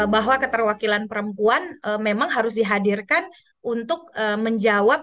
bahwa keterwakilan perempuan memang harus dihadirkan untuk menjawab